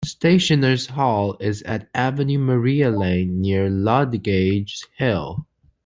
Stationers' Hall is at Avenue Maria Lane near Ludgate Hill.